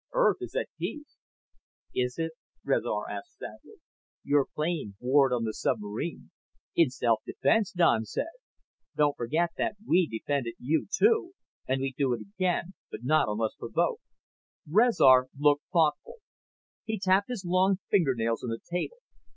Earth is at peace." "Is it?" Rezar asked sadly. "Your plane warred on the submarine." "In self defense," Don said. "Don't forget that we defended you, too. And we'd do it again but not unless provoked." Rezar looked thoughtful. He tapped his long fingernails on the table.